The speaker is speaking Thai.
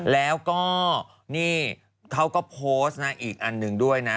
แล้วก็นี่เขาก็โพสต์นะอีกอันหนึ่งด้วยนะ